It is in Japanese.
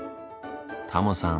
タモさん